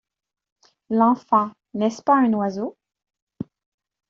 L’enfant, n’est-ce pas un oiseau?